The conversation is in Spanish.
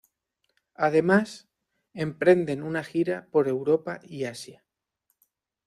Además, emprenden una gira por Europa y Asia.